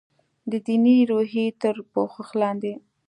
د دیني روحیې تر پوښښ لاندې.